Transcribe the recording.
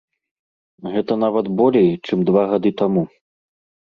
Гэта нават болей, чым два гады таму.